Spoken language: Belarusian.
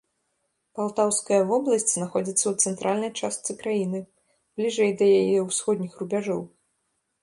Палтаўская вобласць знаходзіцца ў цэнтральнай частцы краіны, бліжэй да яе ўсходніх рубяжоў.